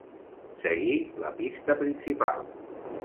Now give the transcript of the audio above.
Seguir la pista principal.